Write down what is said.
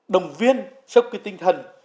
đồng viên sốc cái tinh thần